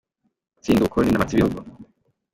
Utsinda ubukoroni na mpatsibihugu